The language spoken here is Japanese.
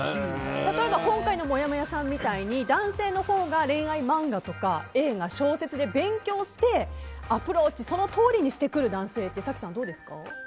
例えば今回のもやもやさんみたいに男性のほうが恋愛漫画とか映画小説で勉強してアプローチをそのとおりにしてくる男性って早紀さん、どうですか？